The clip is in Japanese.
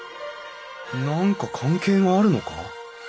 何か関係があるのか？